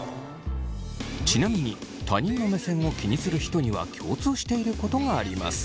ちなみに他人の目線を気にする人には共通していることがあります。